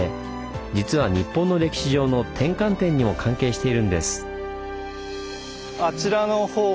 実は日本の歴史上の転換点にも関係しているんです。